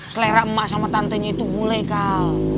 selera emak sama tantenya itu bule kak